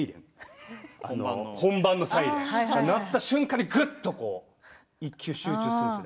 あの本番のサイレン鳴った瞬間にぐっと１球集中するんですね。